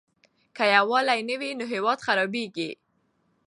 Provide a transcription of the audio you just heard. که يووالی نه وي نو هېواد خرابيږي.